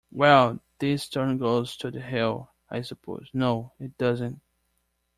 Well, this turn goes to the hill, I suppose—no, it doesn’t!